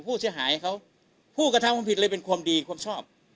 ผู้เสียหายเขาผู้กระทำความผิดเลยเป็นความดีความชอบ